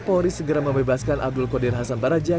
polri segera membebaskan abdul qadir hasan baraja